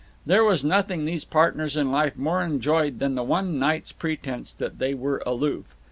There was nothing these partners in life more enjoyed than the one night's pretense that they were aloof.